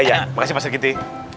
iya iya makasih pak serikiti